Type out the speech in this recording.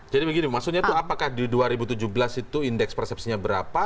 jadi begini maksudnya apakah di dua ribu tujuh belas itu indeks persepsinya berapa